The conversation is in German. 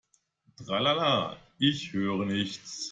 Tralala, ich höre nichts!